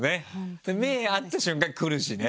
目合った瞬間くるしね。